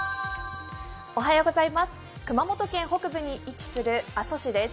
熊本県北部に位置する阿蘇市です。